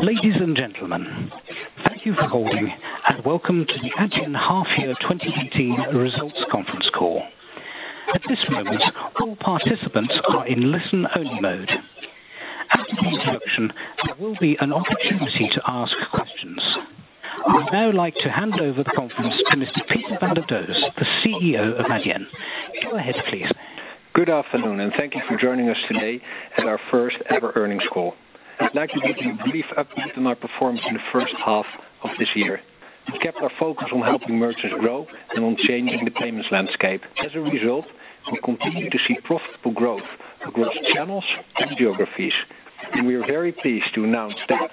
Ladies and gentlemen, thank you for holding, and welcome to the Adyen Half Year 2018 Results Conference Call. At this moment, all participants are in listen-only mode. After the introduction, there will be an opportunity to ask questions. I would now like to hand over the conference to Mr. Pieter van der Does, the CEO of Adyen. Go ahead, please. Good afternoon, and thank you for joining us today at our first ever earnings call. I'd like to give you a brief update on our performance in the first half of this year. We kept our focus on helping merchants grow and on changing the payments landscape. As a result, we continue to see profitable growth across channels and geographies. We are very pleased to announce that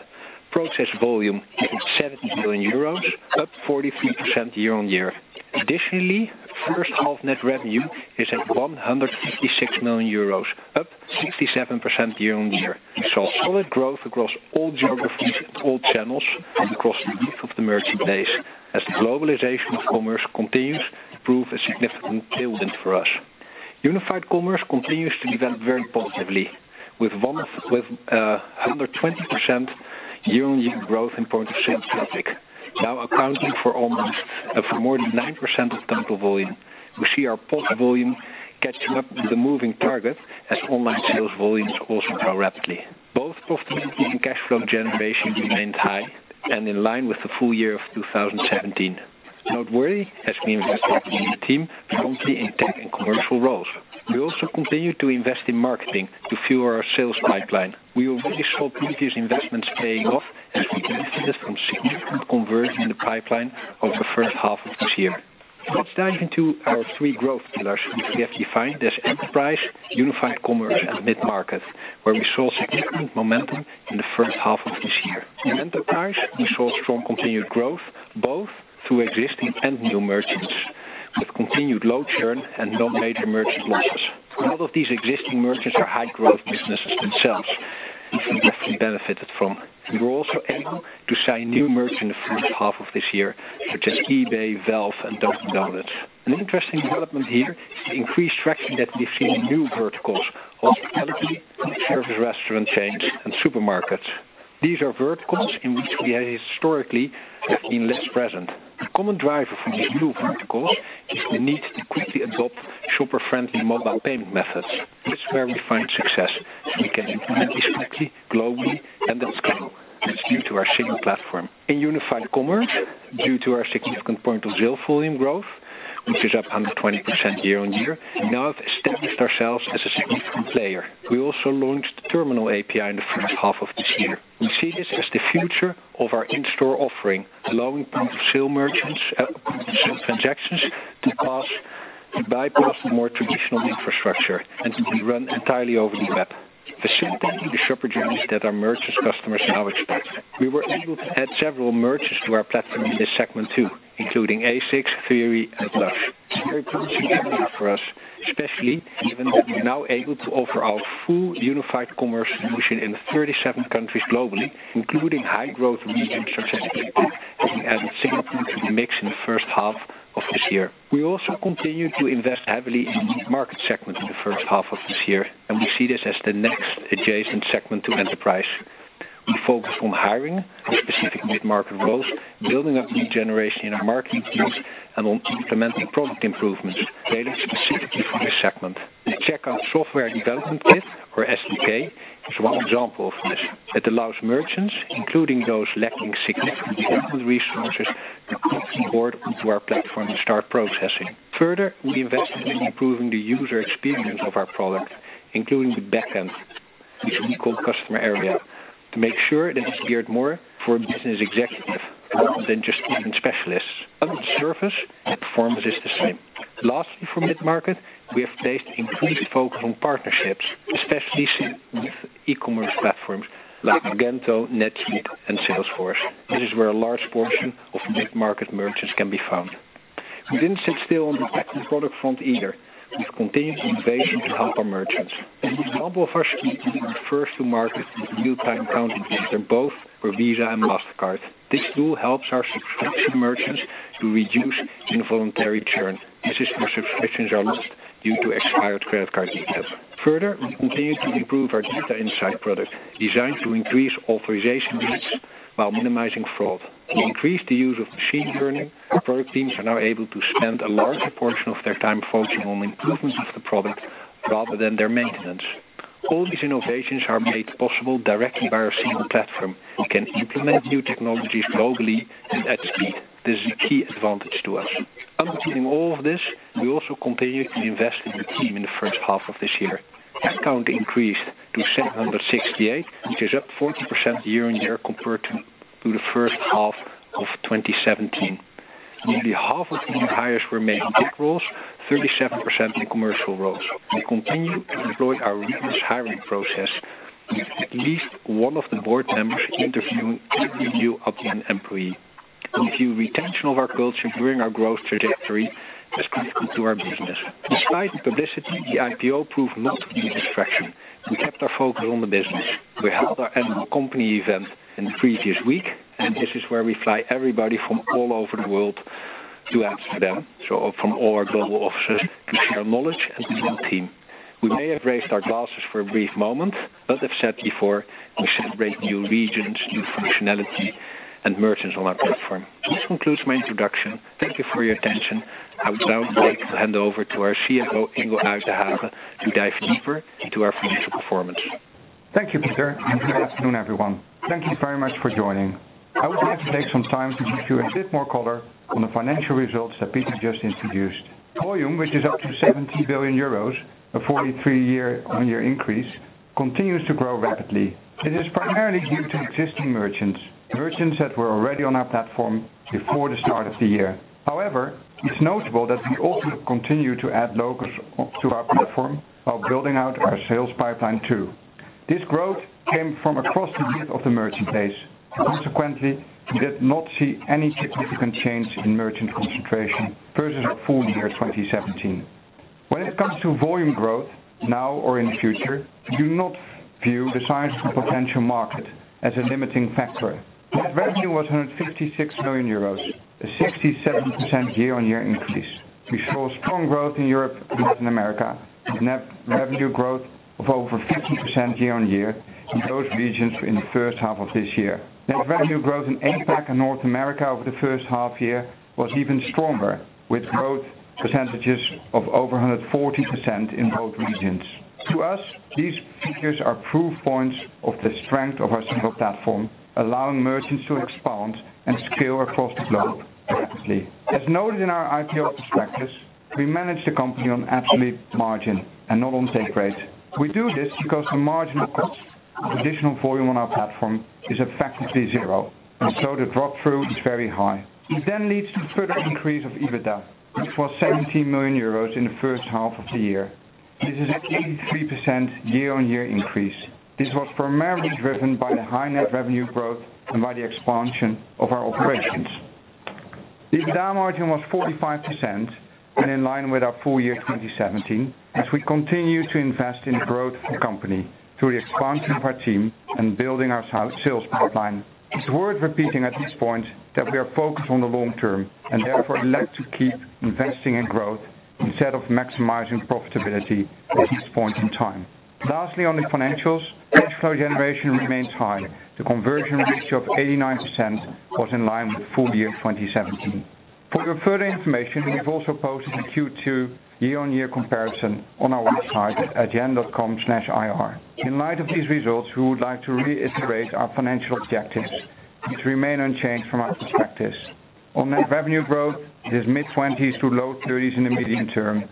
processed volume is at 70 billion euros, up 43% year-on-year. Additionally, first half net revenue is at 156 million euros, up 67% year-on-year. We saw solid growth across all geographies and all channels, and across the breadth of the merchant base, as the globalization of commerce continues to prove a significant tailwind for us. Unified commerce continues to develop very positively, with 120% year-on-year growth in point of sale traffic, now accounting for more than 9% of total volume. We see our POS volume catching up with the moving target as online sales volumes also grow rapidly. Both profitability and cash flow generation remained high and in line with the full year of 2017. Note worry, as we invested in the team, predominantly in tech and commercial roles. We also continued to invest in marketing to fuel our sales pipeline. We already saw previous investments paying off as we benefited from significant conversion in the pipeline over the first half of this year. Let's dive into our three growth pillars, which we have defined as enterprise, unified commerce, and mid-market, where we saw significant momentum in the first half of this year. In enterprise, we saw strong continued growth both through existing and new merchants, with continued low churn and no major merchant losses. A lot of these existing merchants are high growth businesses themselves, which we definitely benefited from. We were also able to sign new merchants in the first half of this year, such as eBay, Valve, and Dunkin' Donuts. An interesting development here is the increased traction that we see in new verticals, hospitality, full-service restaurant chains, and supermarkets. These are verticals in which we historically have been less present. A common driver for these new verticals is the need to quickly adopt shopper-friendly mobile payment methods. This is where we find success, and we can implement this quickly, globally, and at scale. That's due to our single platform. In unified commerce, due to our significant point of sale volume growth, which is up 120% year-on-year, we now have established ourselves as a significant player. We also launched Terminal API in the first half of this year. We see this as the future of our in-store offering, allowing point of sale merchants, point of sale transactions to bypass the more traditional infrastructure and to be run entirely over the web, facilitating the shopper journeys that our merchants' customers now expect. We were able to add several merchants to our platform in this segment too, including ASICS, Theory, and Lush. It's a very promising category for us, especially given that we're now able to offer our full unified commerce solution in 37 countries globally, including high growth regions such as we added Singapore to the mix in the first half of this year. We also continued to invest heavily in mid-market segment in the first half of this year. We see this as the next adjacent segment to enterprise. We focused on hiring for specific mid-market roles, building up new generation in our marketing teams, and on implementing product improvements tailored specifically for this segment. The Checkout Software Development Kit, or SDK, is one example of this. It allows merchants, including those lacking significant development resources, to quickly onboard onto our platform and start processing. Further, we invested in improving the user experience of our product, including the backend, which we call Customer Area, to make sure that it's geared more for a business executive rather than just payment specialists. Under the surface, the performance is the same. Lastly, for mid-market, we have placed increased focus on partnerships, especially with e-commerce platforms like Magento, NetSuite, and Salesforce. This is where a large portion of mid-market merchants can be found. We didn't sit still on the tech and product front either. We've continued innovation to help our merchants. A couple of our schemes we referred to market is real-time account updates. They're both for Visa and Mastercard. This tool helps our subscription merchants to reduce involuntary churn. This is where subscriptions are lost due to expired credit card details. Further, we continued to improve our data insight product, designed to increase authorization rates while minimizing fraud. We increased the use of machine learning. Our product teams are now able to spend a larger portion of their time focusing on improvements of the product rather than their maintenance. All these innovations are made possible directly by our single platform. We can implement new technologies globally and at speed. This is a key advantage to us. Underpinning all of this, we also continued to invest in the team in the first half of this year. Headcount increased to 768, which is up 14% year-on-year compared to the first half of 2017. Nearly half of the new hires were made in tech roles, 37% in commercial roles. We continue to employ our rigorous hiring process, with at least one of the board members interviewing every new Adyen employee. We view retention of our culture during our growth trajectory as critical to our business. Despite the publicity, the IPO proved not to be a distraction. We kept our focus on the business. We held our annual company event in the previous week. This is where we fly everybody from all over the world To Amsterdam. From all our global offices to share knowledge and be one team. We may have raised our glasses for a brief moment, but have said before, we celebrate new regions, new functionality, and merchants on our platform. This concludes my introduction. Thank you for your attention. I would now like to hand over to our CFO, Ingo Uytdehaage, to dive deeper into our financial performance. Thank you, Pieter, good afternoon, everyone. Thank you very much for joining. I would like to take some time to give you a bit more color on the financial results that Pieter just introduced. Volume, which is up to 70 billion euros, a 43% year-on-year increase, continues to grow rapidly. It is primarily due to existing merchants that were already on our platform before the start of the year. It's notable that we also continue to add logos to our platform while building out our sales pipeline too. This growth came from across the width of the merchant base. We did not see any significant change in merchant concentration versus full year 2017. When it comes to volume growth, now or in the future, we do not view the size of the potential market as a limiting factor. Net revenue was 156 million euros, a 67% year-on-year increase. We saw strong growth in Europe and Latin America, with net revenue growth of over 50% year-on-year in both regions in the first half of this year. Net revenue growth in APAC and North America over the first half year was even stronger, with growth percentages of over 140% in both regions. To us, these figures are proof points of the strength of our single platform, allowing merchants to expand and scale across the globe effortlessly. As noted in our IPO prospectus, we manage the company on absolute margin and not on take rate. We do this because the marginal cost of additional volume on our platform is effectively zero, the drop-through is very high. It then leads to a further increase of EBITDA, which was 70 million euros in the first half of the year. This is an 83% year-on-year increase. This was primarily driven by the high net revenue growth and by the expansion of our operations. EBITDA margin was 45% and in line with our full year 2017, as we continue to invest in the growth of the company through the expansion of our team and building our sales pipeline. It's worth repeating at this point that we are focused on the long term, like to keep investing in growth instead of maximizing profitability at this point in time. On the financials, cash flow generation remains high. The conversion ratio of 89% was in line with full year 2017. For your further information, we've also posted a Q2 year-on-year comparison on our website at adyen.com/ir. We would like to reiterate our financial objectives, which remain unchanged from our prospectus. On net revenue growth, it is mid-20s through low 30s in the medium term,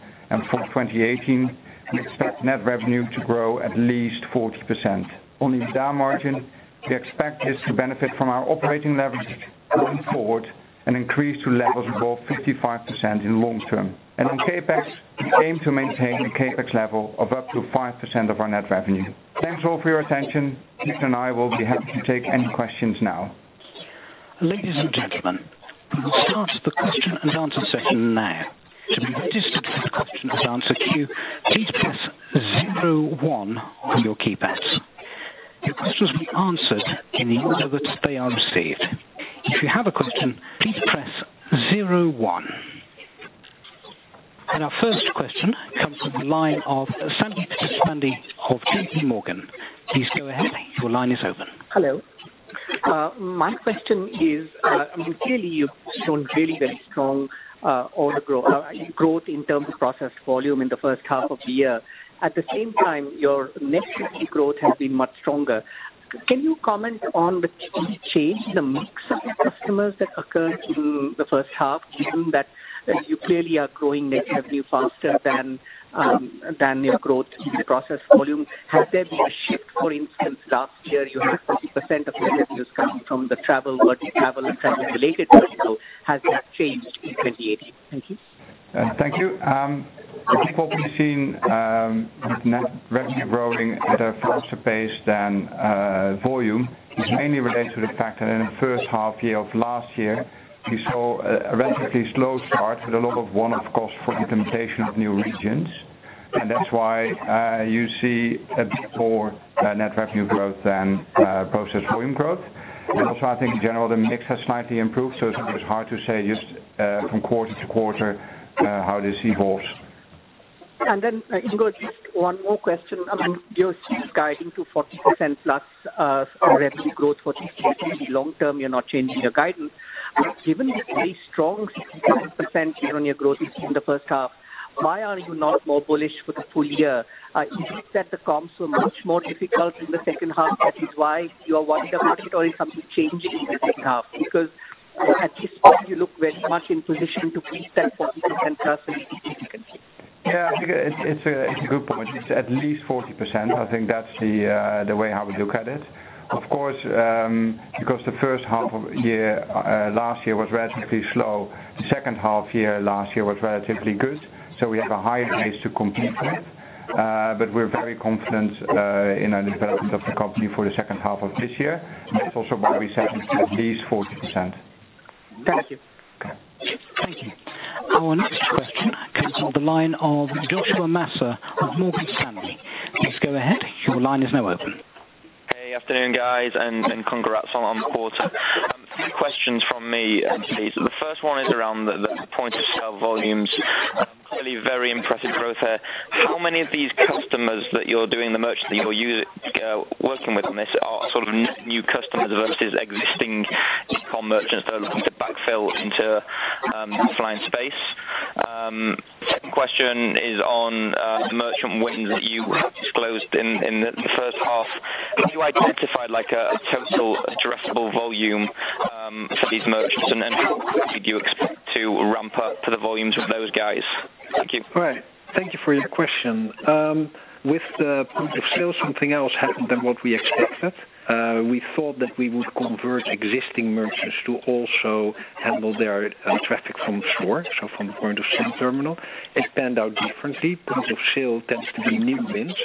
for 2018, we expect net revenue to grow at least 40%. On EBITDA margin, we expect this to benefit from our operating leverage going forward and increase to levels above 55% in long term. In CapEx, we aim to maintain a CapEx level of up to 5% of our net revenue. Thanks all for your attention. Pieter and I will be happy to take any questions now. Ladies and gentlemen, we will start the question and answer session now. To be registered for the question and answer queue, please press zero one on your keypads. Your questions will be answered in the order that they are received. If you have a question, please press zero one. Our first question comes from the line of Sandeep Deshpande of J.P. Morgan. Please go ahead. Your line is open. Hello. My question is, clearly you've shown really very strong growth in terms of processed volume in the first half of the year. At the same time, your net revenue growth has been much stronger. Can you comment on the change in the mix of your customers that occurred in the first half, given that you clearly are growing net revenue faster than your growth in processed volume? Has there been a shift, for instance, last year, you had 40% of your revenues coming from the travel or travel and travel-related vertical. Has that changed in 2018? Thank you. Thank you. I think what we've seen with net revenue growing at a faster pace than volume is mainly related to the fact that in the first half year of last year, we saw a relatively slow start with a lot of one-off costs for implementation of new regions. That's why you see a bit more net revenue growth than processed volume growth. Also, I think in general, the mix has slightly improved, so it's always hard to say just from quarter to quarter how this evolves. Ingo, just one more question. You are still guiding to 40%-plus of revenue growth for this year. In the long term, you are not changing your guidance. Given the very strong 61% year-on-year growth in the first half, why are you not more bullish for the full year? Is it that the comps were much more difficult in the second half? That is why you are warning the market or is something changing in the second half? Because at this point, you look very much in position to beat that 40%-plus pretty significantly. I think it is a good point. It is at least 40%. I think that is the way I would look at it. Of course, because the first half of last year was relatively slow. The second half year last year was relatively good, so we have a higher base to compete with. We are very confident in the development of the company for the second half of this year. That is also why we say it is at least 40%. Thank you. Okay. Thank you. Our next question comes from the line of Joshua Myers of Morgan Stanley. Please go ahead. Your line is now open. Good afternoon, guys, and congrats on the quarter. A few questions from me, please. The first one is around the point-of-sale volumes. Clearly very impressive growth there. How many of these customers that you're doing the merchant that you're working with on this are sort of new customers versus existing e-com merchants who are looking to backfill into offline space? Second question is on the merchant wins that you have disclosed in the first half. Have you identified a total addressable volume for these merchants, and how quickly do you expect to ramp up to the volumes with those guys? Thank you. Thank you for your question. With the point-of-sale, something else happened than what we expected. We thought that we would convert existing merchants to also handle their traffic from store, so from the point-of-sale terminal. It panned out differently. Point-of-sale tends to be new wins,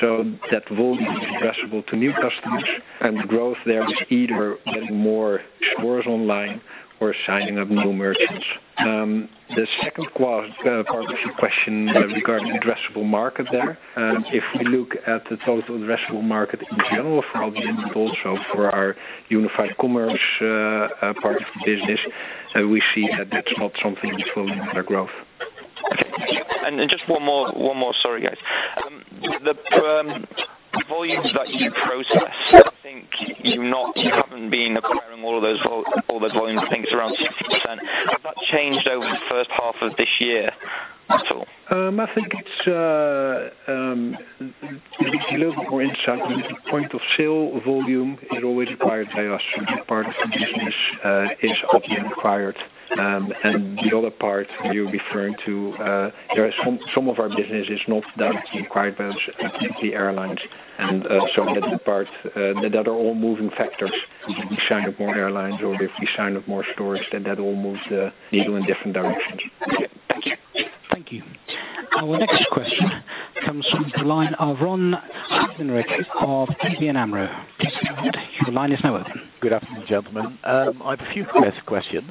so that volume is addressable to new customers, and growth there is either getting more stores online or signing up new merchants. The second part of your question regarding addressable market there. If we look at the total addressable market in general for Adyen, but also for our unified commerce part of the business, we see that that's not something that's limiting our growth. Just one more, sorry, guys. The volumes that you process, I think you haven't been acquiring all those volumes. I think it's around 60%. Has that changed over the first half of this year at all? I think it's a little bit more in fact. The point-of-sale volume is always acquired by us. That part of the business is Adyen acquired. The other part you're referring to, some of our business is not that acquired by us, it's the airlines. That's the part that are all moving factors. If we sign up more airlines or if we sign up more stores, that all moves the needle in different directions. Okay. Thank you. Thank you. Our next question comes from the line of Ron Henrich of ABN AMRO. Please go ahead. Your line is now open. Good afternoon, gentlemen. I have a few questions.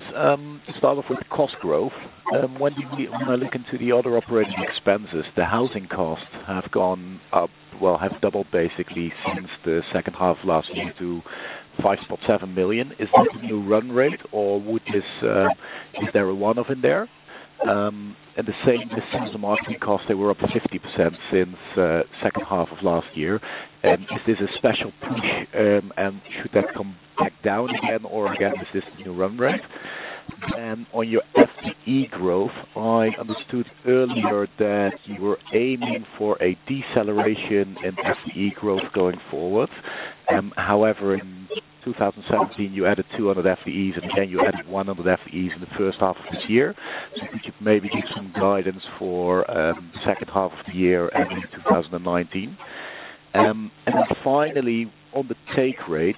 Start off with cost growth. When we look into the other operating expenses, the housing costs have gone up, have doubled basically since the second half of last year to 5.7 million. Is that the new run rate or is there a one-off in there? The same with some of the marketing costs that were up 50% since second half of last year. Is this a special push and should that come back down again or again, is this new run rate? On your FTE growth, I understood earlier that you were aiming for a deceleration in FTE growth going forward. However, in 2017, you added 200 FTEs, and then you added 100 FTEs in the first half of this year. Could you maybe give some guidance for the second half of the year and 2019? Finally, on the take rate,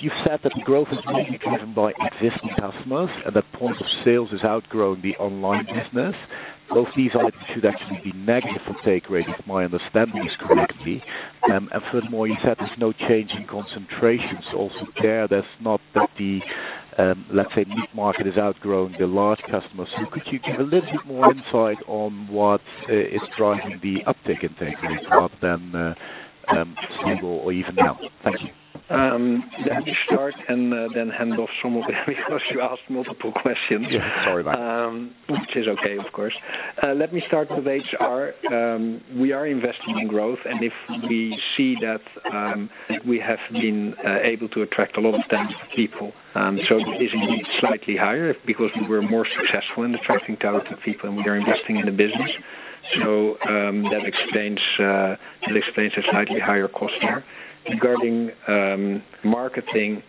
you've said that growth is mainly driven by existing customers and that point of sales has outgrown the online business. Both these items should actually be negative for take rate, if my understanding is correct. Furthermore, you said there's no change in concentration, so also there that's not that the mid-market is outgrowing the large customers. Could you give a little bit more insight on what is driving the uptick in take rates rather than stable or even down? Thank you. Let me start and then hand off some of it because you asked multiple questions. Yeah. Sorry about that. Which is okay, of course. Let me start with HR. We are investing in growth, and if we see that we have been able to attract a lot of talented people. It is indeed slightly higher because we were more successful in attracting talented people, and we are investing in the business. That explains the slightly higher cost there. Regarding marketing,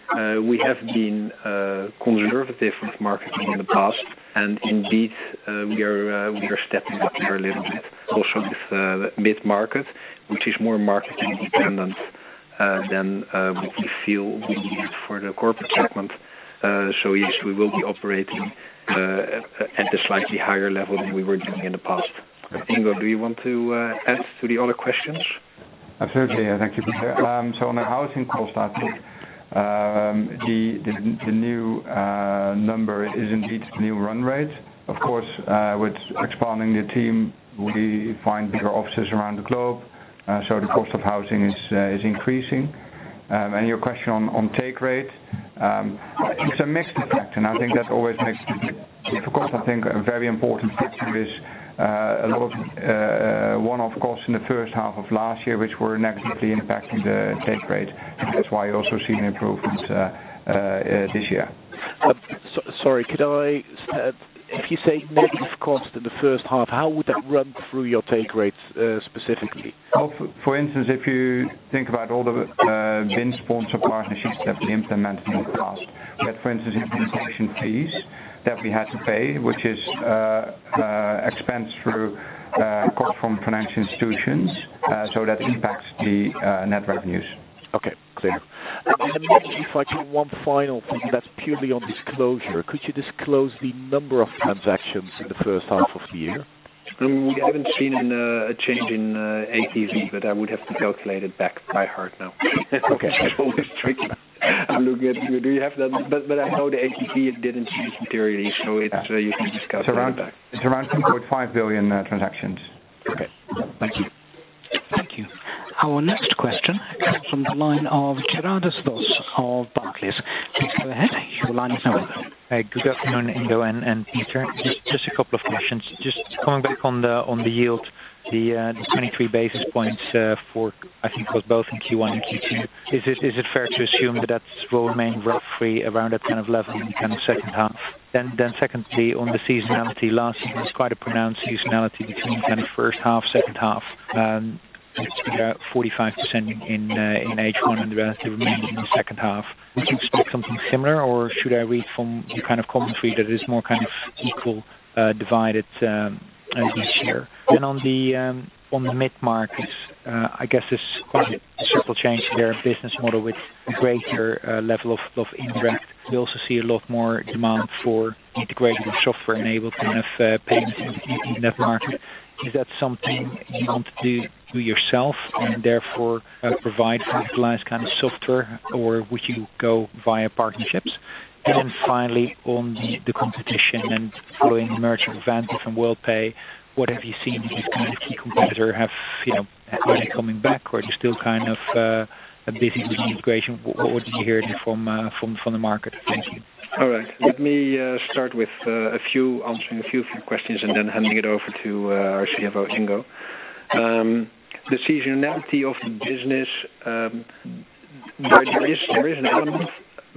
we have been conservative with marketing in the past, and indeed, we are stepping it up here a little bit. Also with mid-market, which is more marketing dependent than what we feel we need for the corporate segment. Yes, we will be operating at a slightly higher level than we were doing in the past. Ingo, do you want to add to the other questions? Absolutely. Thank you, Pieter. On the housing cost aspect, the new number is indeed the new run rate. Of course, with expanding the team, we find bigger offices around the globe, so the cost of housing is increasing. Your question on take rate. It's a mixed effect, and I think that always makes it difficult. I think a very important picture is a lot of one-off costs in the first half of last year, which were negatively impacting the take rate. That's why you also see an improvement this year. Sorry. If you say negative costs in the first half, how would that run through your take rates specifically? For instance, if you think about all the BIN sponsor partnerships that we implemented in the past. We had, for instance, implementation fees that we had to pay, which is expense through cost from financial institutions. That impacts the net revenues. Okay. Clear. Then maybe if I do one final thing that's purely on disclosure. Could you disclose the number of transactions in the first half of the year? We haven't seen a change in ATV, I would have to calculate it back by heart now. Okay. It's always tricky to look at. Do you have that? I know the ATV didn't change materially, you can just calculate it back. It's around 2.5 billion transactions. Okay. Thank you. Our next question comes from the line of Gerardus Vos of Barclays. Please go ahead. Your line is open. Good afternoon, Ingo and Pieter. Just a couple of questions. Just coming back on the yield, the 23 basis points for, I think it was both in Q1 and Q2. Is it fair to assume that will remain roughly around that kind of level in the second half? Secondly, on the seasonality, last season was quite a pronounced seasonality between first half, second half. 45% in H1 and the rest remaining in the second half. Would you expect something similar, or should I read from your kind of commentary that is more equal divided this year? On the mid-market, I guess there's quite a structural change in their business model with a greater level of indirect. We also see a lot more demand for integrated software-enabled kind of payments in that market. Is that something you want to do yourself and therefore provide industrialized kind of software, or would you go via partnerships? Finally, on the competition and following the merger of Vantiv and Worldpay, what have you seen these kind of key competitor have? Are they coming back or are they still kind of busy with the integration? What are you hearing from the market? Thank you. All right. Let me start with answering a few questions and then handing it over to our CFO, Ingo. The seasonality of the business, there is an element,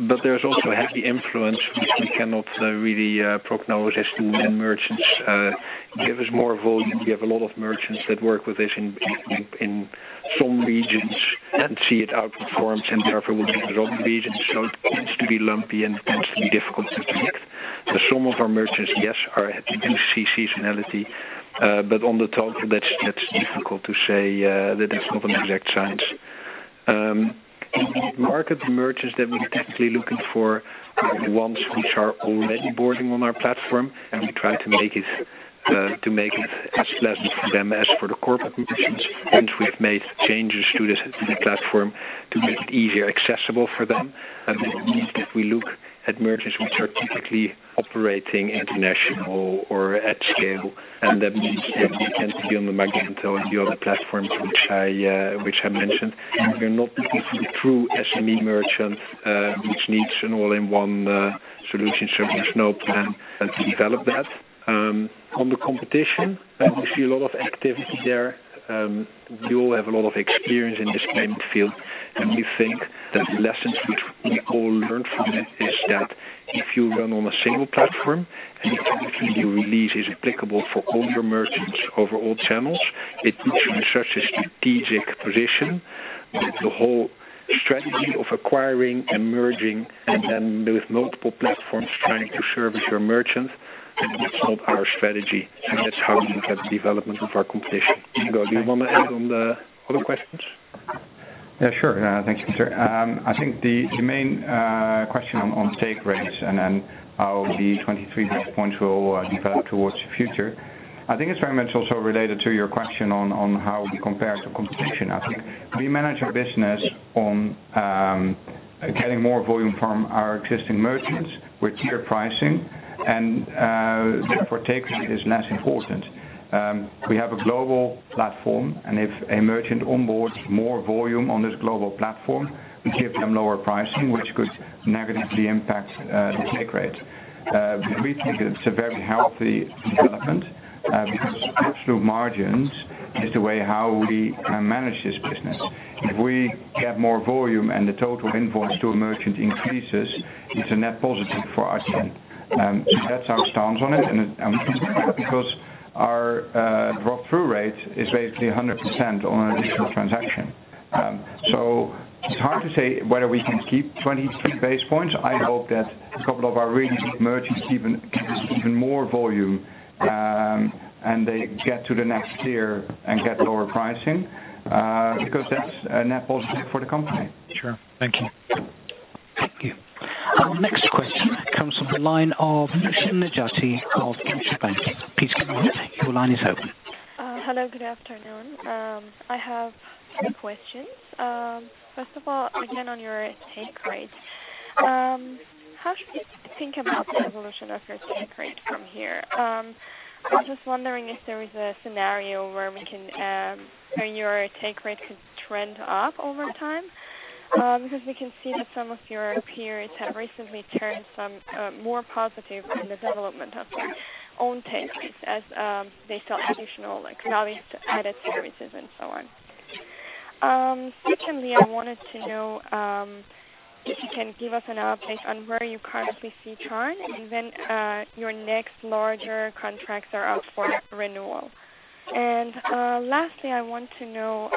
but there's also a heavy influence which we cannot really prognosis to when merchants give us more volume. We have a lot of merchants that work with this in some regions and see it outperforms and therefore will be in other regions. It tends to be lumpy and tends to be difficult to predict. Some of our merchants, yes, we do see seasonality. On the total, that's difficult to say. That is not an exact science. Market merchants that we're typically looking for are the ones which are already boarding on our platform, and we try to make it as pleasant for them as for the corporate merchants since we've made changes to the platform to make it easier accessible for them. That means if we look at merchants which are typically operating international or at scale, and that means they tend to be on the Magento and the other platforms which I mentioned. We're not looking for the true SME merchants which needs an all-in-one solution. There's no plan to develop that. On the competition, we see a lot of activity there. We all have a lot of experience in this payment field. We think that lessons which we all learned from it is that if you run on a single platform and effectively your release is applicable for all your merchants over all channels, it puts you in such a strategic position that the whole strategy of acquiring and merging and then with multiple platforms trying to service your merchant, that's not our strategy. That's how we look at the development of our competition. Ingo, do you want to add on the other questions? Yeah, sure. Thanks, Pieter. I think the main question on take rates and then how the 23 basis points will develop towards the future, I think it's very much also related to your question on how we compare to competition. I think we manage our business on getting more volume from our existing merchants with tier pricing. Therefore, take rate is less important. We have a global platform. If a merchant onboards more volume on this global platform, we give them lower pricing, which could negatively impact the take rate. We think it's a very healthy development because push-through margins is the way how we manage this business. If we get more volume and the total invoice to a merchant increases, it's a net positive for Adyen. That's our stance on it. Because our drop-through rate is basically 100% on an additional transaction. It's hard to say whether we can keep 23 basis points. I hope that a couple of our really big merchants give us even more volume. They get to the next tier and get lower pricing, because that's a net positive for the company. Sure. Thank you. Thank you. Our next question comes from the line of Nooshin Nejati of Deutsche Bank. Please go ahead. Your line is open. Hello, good afternoon. I have two questions. First of all, again on your take rate. How should we think about the evolution of your take rate from here? I'm just wondering if there is a scenario where your take rate could trend up over time, because we can see that some of your peers have recently turned some more positive in the development of their own take rates as they sell additional, like value-added services and so on. Secondly, I wanted to know if you can give us an update on where you currently see churn and when your next larger contracts are up for renewal. Lastly, I want to know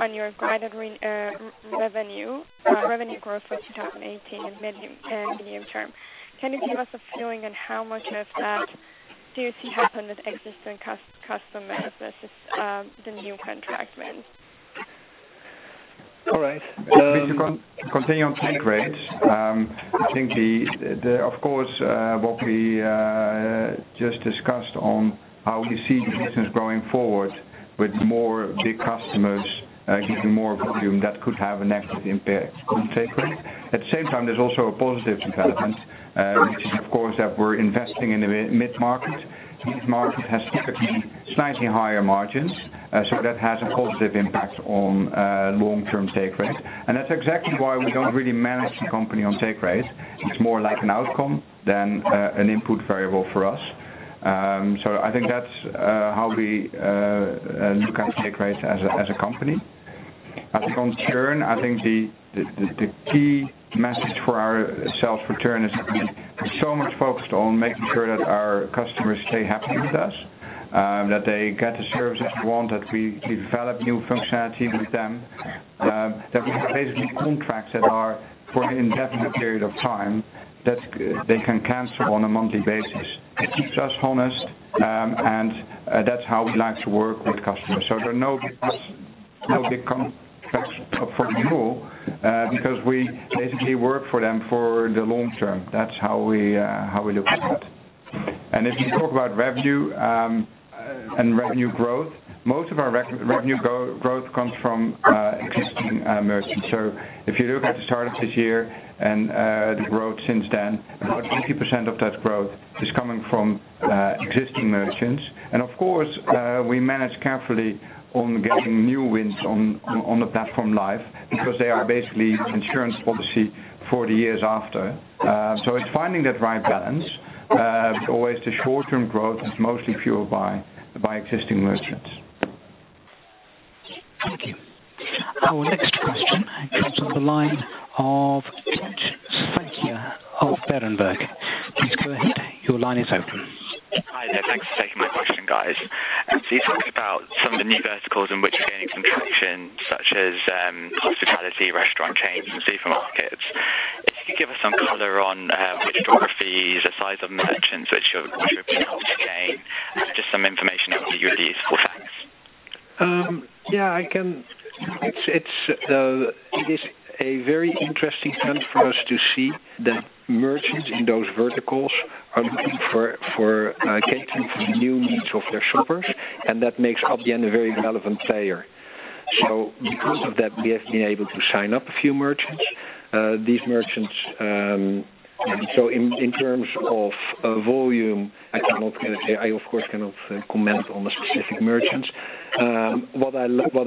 on your guided revenue growth for 2018 and medium term, can you give us a feeling on how much of that do you see happen with existing customers versus the new contract wins? All right. To continue on take rates, I think of course, what we just discussed on how we see the business going forward with more big customers giving more volume, that could have a negative impact on take rate. At the same time, there's also a positive development, which is of course that we're investing in the mid-market. These markets have typically slightly higher margins. That has a positive impact on long-term take rate. That's exactly why we don't really manage the company on take rate. It's more like an outcome than an input variable for us. I think that's how we look at churn as a company. I think on churn, I think the key message for ourselves for churn is we're so much focused on making sure that our customers stay happy with us, that they get the service that they want, that we develop new functionality with them, that we have basically contracts that are for an indefinite period of time that they can cancel on a monthly basis. It keeps us honest, and that's how we like to work with customers. There are no big contracts up for renewal, because we basically work for them for the long term. That's how we look at that. If you talk about revenue and revenue growth, most of our revenue growth comes from existing merchants. If you look at the start of this year and the growth since then, about 50% of that growth is coming from existing merchants. Of course, we manage carefully on getting new wins on the platform live, because they are basically insurance policy for the years after. It's finding that right balance, but always the short-term growth is mostly fueled by existing merchants. Thank you. Our next question comes from the line of Rich Fanghia of Berenberg. Please go ahead. Your line is open. Hi there. Thanks for taking my question, guys. You talked about some of the new verticals in which you're gaining some traction, such as hospitality, restaurant chains, and supermarkets. If you could give us some color on which geographies, the size of merchants that you're beginning to gain, just some information that would be really useful. Thanks. Yeah. It is a very interesting trend for us to see that merchants in those verticals are looking for catering for the new needs of their shoppers, and that makes Adyen a very relevant player. Because of that, we have been able to sign up a few merchants. In terms of volume, I of course cannot comment on the specific merchants. What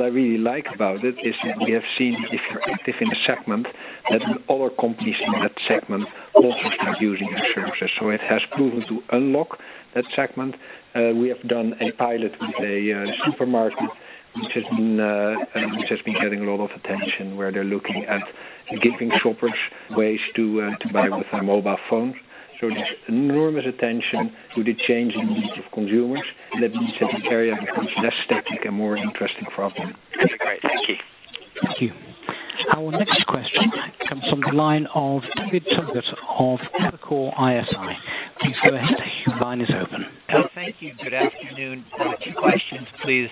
I really like about it is that we have seen if you're active in a segment, that other companies in that segment also start using your services. It has proven to unlock that segment. We have done a pilot with a supermarket which has been getting a lot of attention, where they're looking at giving shoppers ways to buy with their mobile phones. There's enormous attention to the changing needs of consumers. That means that the area becomes less static and more interesting for our platform. That's great. Thank you. Thank you. Our next question comes from the line of David Togut of Evercore ISI. Please go ahead. Your line is open. Thank you. Good afternoon. Two questions, please.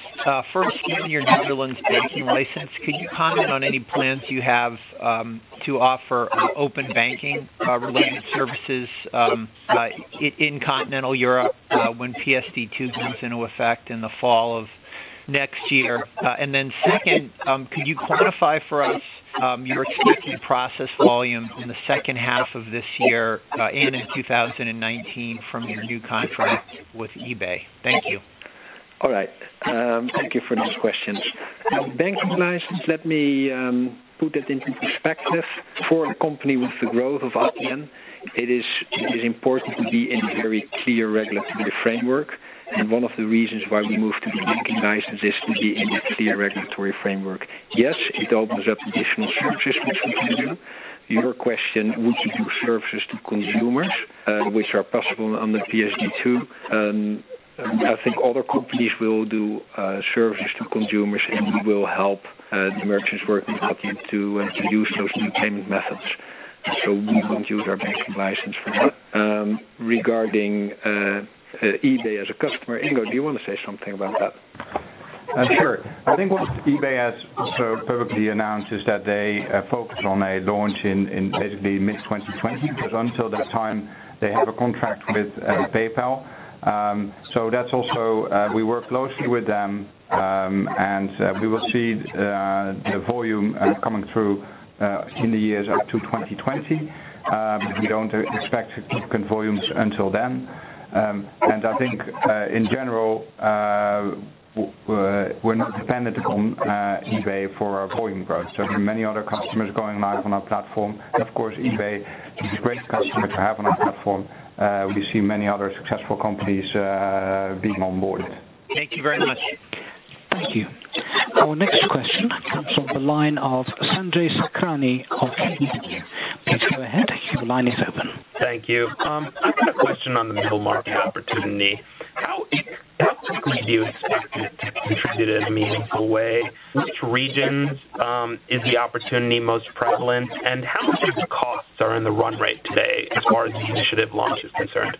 First, given your Netherlands banking license, could you comment on any plans you have to offer open banking related services in continental Europe when PSD2 comes into effect in the fall of next year? Second, could you quantify for us your expected process volume in the second half of this year and in 2019 from your new contract with eBay? Thank you. All right. Thank you for those questions. The banking license, let me put it into perspective. For a company with the growth of Adyen, it is important to be in a very clear regulatory framework. One of the reasons why we moved to the banking license is to be in that clear regulatory framework. Yes, it opens up additional services which we can do. Your question, would we do services to consumers, which are possible under PSD2. I think other companies will do services to consumers, and we will help the merchants we're in talking to introduce those new payment methods. We won't use our banking license for that. Regarding eBay as a customer, Ingo, do you want to say something about that? Sure. I think what eBay has so publicly announced is that they focus on a launch in basically mid-2020, because until that time, they have a contract with PayPal. That's also, we work closely with them, and we will see the volume coming through in the years up to 2020. We don't expect significant volumes until then. I think, in general, we're not dependent on eBay for our volume growth. There are many other customers going live on our platform. Of course, eBay is a great customer to have on our platform. We see many other successful companies being onboarded. Thank you very much. Thank you. Our next question comes from the line of Sanjay Sakhrani of KBW. Please go ahead. Your line is open. Thank you. I've got a question on the mid-market opportunity. How quickly do you expect it to contribute in a meaningful way? Which regions is the opportunity most prevalent? How much of the costs are in the run rate today as far as the initiative launch is concerned?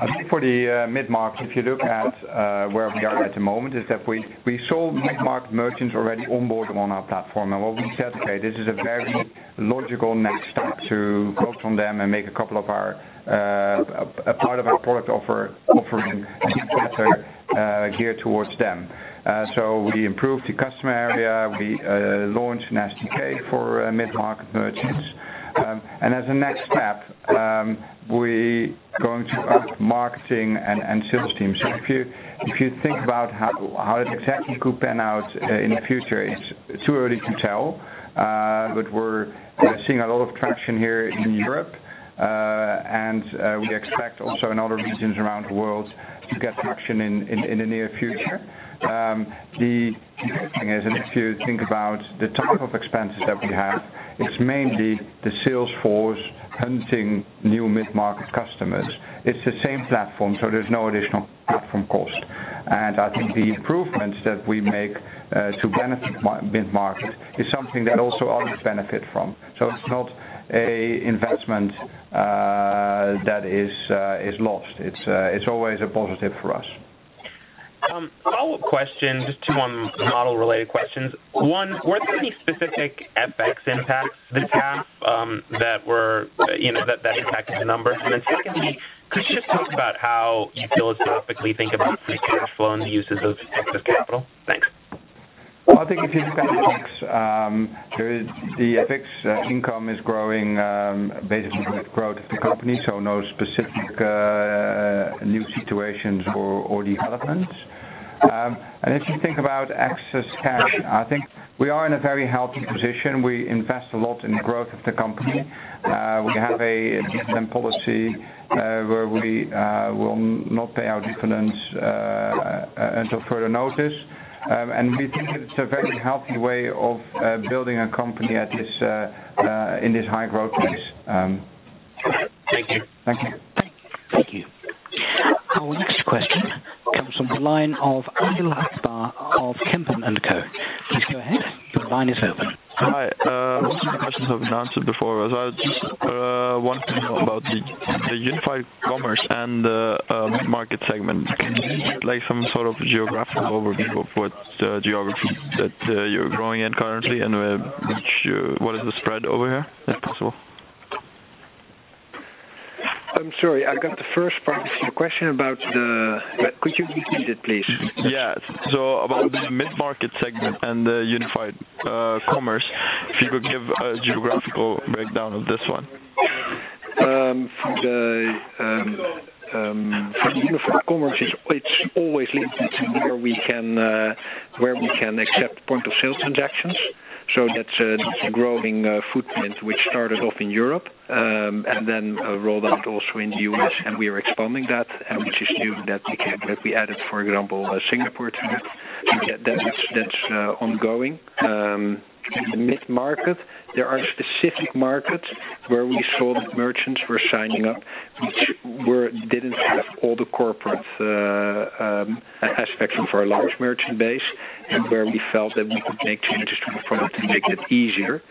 I think for the mid-market, if you look at where we are at the moment, is that we saw mid-market merchants already onboard on our platform. What we said, okay, this is a very logical next step to go from them and make a part of our product offering even better geared towards them. We improved the Customer Area. We launched an SDK for mid-market merchants. As a next step, we're going to up marketing and sales teams. If you think about how it exactly could pan out in the future, it's too early to tell. We're seeing a lot of traction here in Europe. We expect also in other regions around the world to get traction in the near future. The interesting thing is, if you think about the type of expenses that we have, it's mainly the sales force hunting new mid-market customers. It's the same platform, there's no additional platform cost. I think the improvements that we make to benefit mid-market is something that also others benefit from. It's not an investment that is lost. It's always a positive for us. Follow-up question, just two model-related questions. One, were there any specific FX impacts this half that impacted the numbers? Secondly, could you just talk about how you philosophically think about free cash flow and the uses of excess capital? Thanks. I think if you look at the FX, the FX income is growing basically with the growth of the company, so no specific new situations or developments. If you think about excess cash, I think we are in a very healthy position. We invest a lot in the growth of the company. We have a dividend policy where we will not pay out dividends until further notice. We think it's a very healthy way of building a company in this high growth phase. Thank you. Thank you. Thank you. Our next question comes from the line of Adil Akbar of Kempen & Co. Please go ahead. Your line is open. Hi. Most of my questions have been answered before. I just want to know about the unified commerce and the mid-market segment. Can you give some sort of geographical overview of what geography that you're growing in currently and what is the spread over here, if possible? I'm sorry, I got the first part of your question. Could you repeat it, please? Yes. About the mid-market segment and the unified commerce, if you could give a geographical breakdown of this one. For the unified commerce, it's always linked to where we can accept point-of-sale transactions. That's a growing footprint, which started off in Europe, rolled out also in the U.S. and we are expanding that, and we just knew that we added, for example, Singapore to that. That's ongoing. In the mid-market, there are specific markets where we saw that merchants were signing up, which didn't have all the corporate aspects of our large merchant base, and where we felt that we could make changes to the product to make it easier.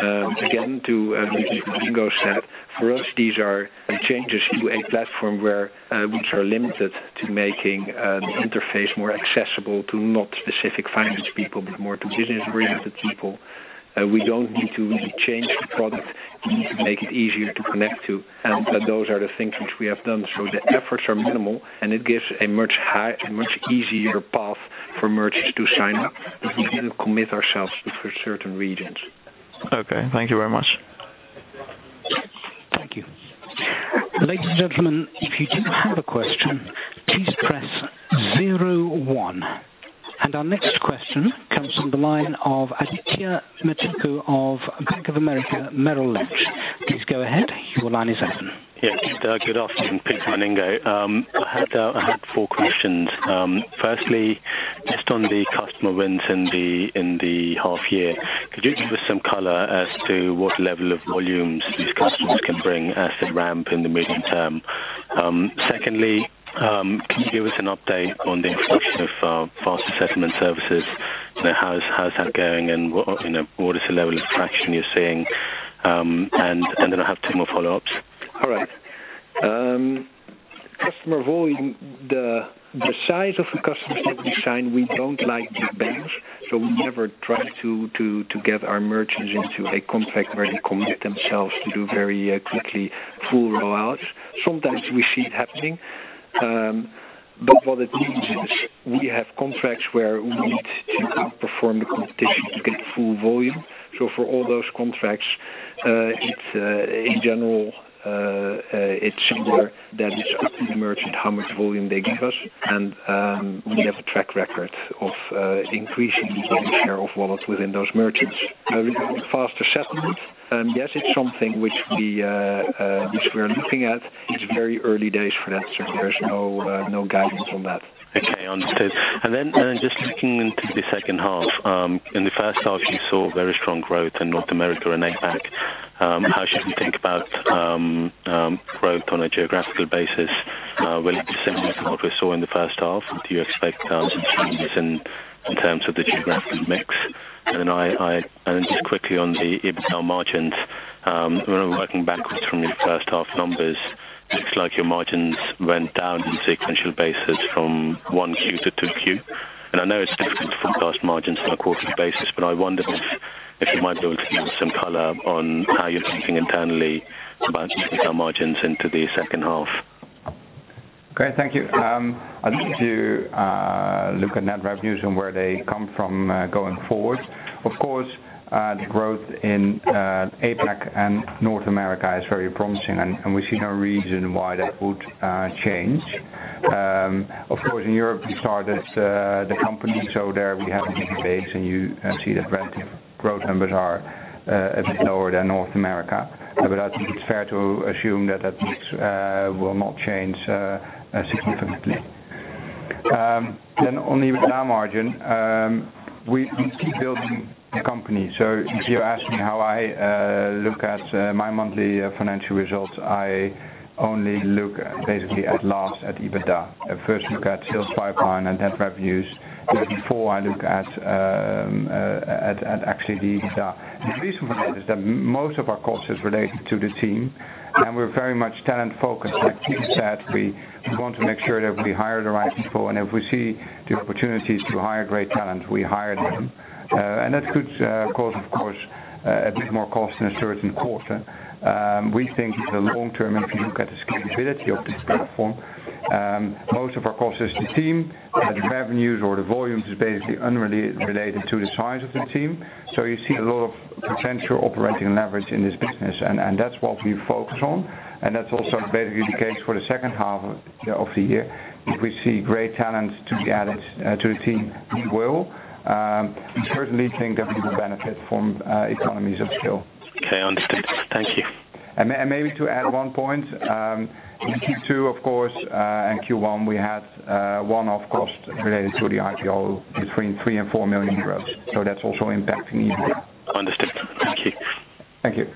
Again, to repeat what Ingo said, for us, these are changes to a platform which are limited to making the interface more accessible to not specific finance people, but more business-oriented people. We don't need to really change the product. We need to make it easier to connect to, those are the things which we have done. The efforts are minimal, and it gives a much easier path for merchants to sign up. We do commit ourselves for certain regions. Okay. Thank you very much. Thank you. Ladies and gentlemen, if you do have a question, please press 01. Our next question comes from the line of Aditya Mechatla of Bank of America Merrill Lynch. Please go ahead. Your line is open. Yes. Good afternoon, Pieter and Ingo. I had four questions. Firstly, just on the customer wins in the half year, could you give us some color as to what level of volumes these customers can bring as they ramp in the medium term? Secondly, can you give us an update on the introduction of faster settlement services? How's that going and what is the level of traction you're seeing? I have two more follow-ups. All right. Customer volume. The size of the customers that we sign, we don't like to binge, so we never try to get our merchants into a contract where they commit themselves to do very quickly full roll-outs. Sometimes we see it happening. What it means is we have contracts where we need to outperform the competition to get the full volume. For all those contracts, in general, it's similar that it's up to the merchant how much volume they give us. We have a track record of increasing the share of wallets within those merchants. With faster settlement, yes, it's something which we are looking at. It's very early days for that, so there's no guidance on that. Okay. Understood. Just looking into the second half. In the first half, you saw very strong growth in North America and APAC. How should we think about growth on a geographical basis? Will it be similar to what we saw in the first half? Do you expect some changes in terms of the geographic mix? Just quickly on the EBITDA margins. When we're working backwards from your first half numbers, looks like your margins went down in sequential basis from one Q to two Q. I know it's different from gross margins on a quarterly basis, but I wondered if you might be able to give some color on how you're thinking internally about EBITDA margins into the second half. Great. Thank you. I think if you look at net revenues and where they come from going forward, of course, the growth in APAC and North America is very promising, and we see no reason why that would change. Of course, in Europe, we started the company, so there we have a bigger base, and you see that relative growth numbers are a bit lower than North America. I think it's fair to assume that that mix will not change significantly. On the EBITDA margin, we keep building the company. If you ask me how I look at my monthly financial results, I only look basically at last at EBITDA. I first look at sales pipeline and net revenues before I look at actually the EBITDA. The reason for that is that most of our cost is related to the team, and we're very much talent-focused. Like Piet said, we want to make sure that we hire the right people, if we see the opportunities to hire great talent, we hire them. That could cause, of course, a bit more cost in a certain quarter. We think in the long term, if you look at the scalability of this platform, most of our cost is the team. The revenues or the volume is basically unrelated to the size of the team. You see a lot of potential operating leverage in this business, that's what we focus on, that's also basically the case for the second half of the year. If we see great talent to be added to the team, we will. We certainly think that we will benefit from economies of scale. Okay, understood. Thank you. Maybe to add one point. In Q2, of course, and Q1, we had one-off cost related to the IPO between 3 million and 4 million euros. That's also impacting EBITDA. Understood. Thank you. Thank you.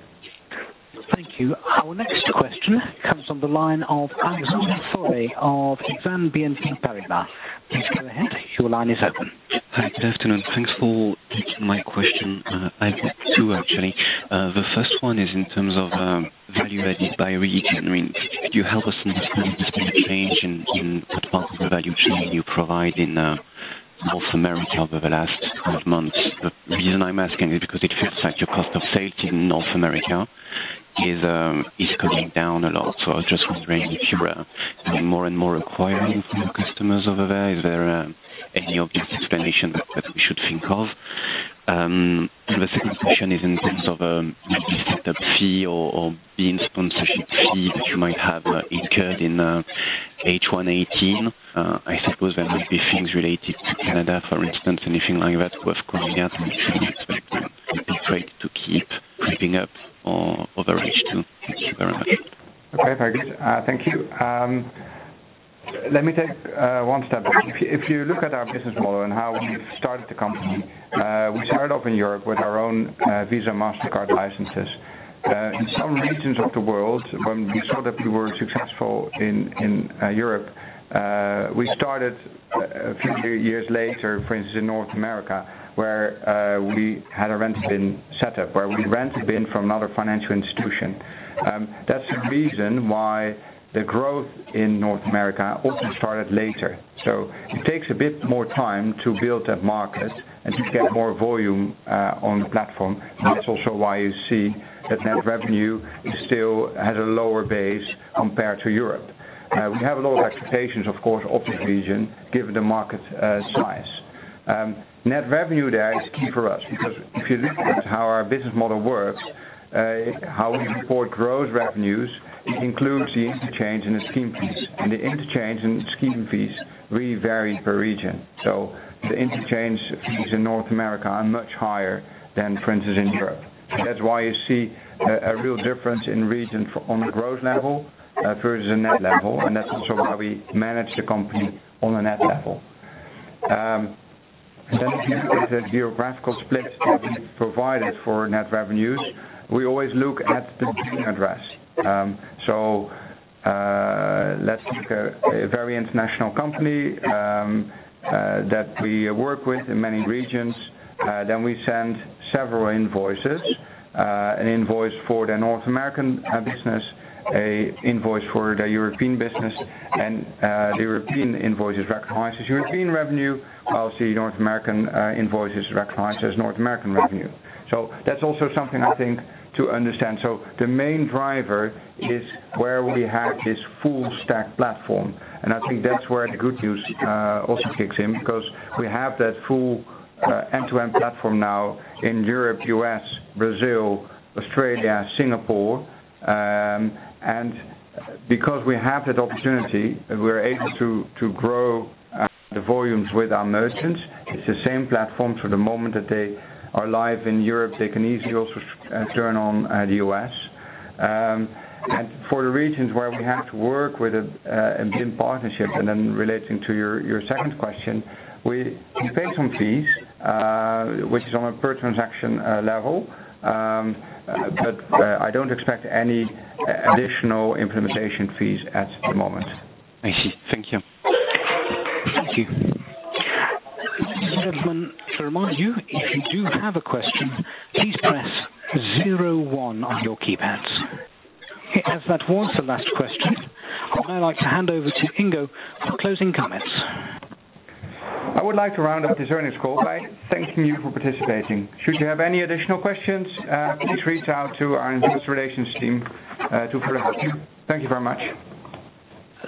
Thank you. Our next question comes on the line of Alexandre Faure of Exane BNP Paribas. Please go ahead. Your line is open. Hi. Good afternoon. Thanks for taking my question. I have two, actually. The first one is in terms of value added by region. Could you help us understand the change in what part of the value chain you provide in North America over the last 12 months? The reason I'm asking is because it feels like your cost of sales in North America is coming down a lot. I was just wondering if you were doing more and more acquiring from your customers over there. Is there any obvious explanation that we should think of? The second question is in terms of maybe set up fee or BIN sponsorship fee that you might have incurred in H1 2018. I suppose there might be things related to Canada, for instance, anything like that, of course, we expect the profit rate to keep creeping up over H2. Thank you very much. Okay, very good. Thank you. Let me take one step back. If you look at our business model and how we've started the company, we started off in Europe with our own Visa, Mastercard licenses. In some regions of the world, when we saw that we were successful in Europe, we started a few years later, for instance, in North America, where we had a rented BIN set up where we rent a BIN from another financial institution. That's the reason why the growth in North America also started later. It takes a bit more time to build that market and to get more volume on the platform. That's also why you see that net revenue still has a lower base compared to Europe. We have a lot of expectations, of course, of this region, given the market size. Net revenue there is key for us, because if you look at how our business model works, how we report gross revenues, it includes the interchange and the scheme fees. The interchange and scheme fees really vary per region. The interchange fees in North America are much higher than, for instance, in Europe. That's why you see a real difference in region on the gross level versus a net level. That's also why we manage the company on a net level. If you look at the geographical split that we provided for net revenues, we always look at the billing address. Let's take a very international company that we work with in many regions. We send several invoices, an invoice for the North American business, an invoice for the European business, and the European invoice is recognized as European revenue. Obviously, North American invoice is recognized as North American revenue. That's also something I think to understand. The main driver is where we have this full stack platform, and I think that's where the good news also kicks in because we have that full end-to-end platform now in Europe, U.S., Brazil, Australia, Singapore. Because we have that opportunity, we're able to grow the volumes with our merchants. It's the same platform. The moment that they are live in Europe, they can easily also turn on the U.S. For the regions where we have to work with a BIN partnership, and then relating to your second question, we pay some fees which is on a per transaction level. I don't expect any additional implementation fees at the moment. I see. Thank you. Thank you. Ladies and gentlemen, to remind you, if you do have a question, please press 01 on your keypads. As that was the last question, I'd now like to hand over to Ingo for closing comments. I would like to round up this earnings call by thanking you for participating. Should you have any additional questions, please reach out to our investor relations team to further help you. Thank you very much.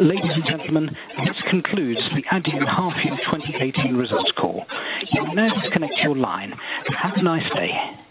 Ladies and gentlemen, this concludes the Adyen half year 2018 results call. You may disconnect your line. Have a nice day.